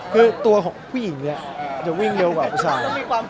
คือตัวของผู้หญิงเนี่ยจะวิ่งเร็วกว่าผู้ชาย